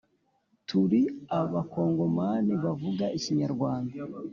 turi aba congoman bavuga ikinyarwanda